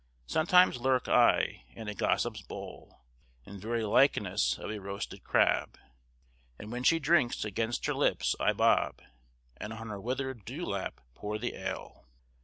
— "....sometimes lurk I in a gossip's bowl, In very likeness of a roasted crab; And, when she drinks, against her lips I bob, And on her wither'd dew lap pour the ale."